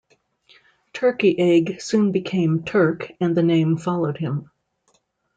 "Turkey Egg" soon became "Turk", and the name followed him.